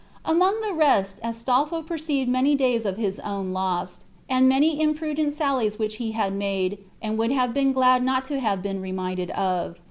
Among the rest Astolpho perceived many days of his own lost, and many imprudent sallies which he had made, and would have been glad not to have been reminded of.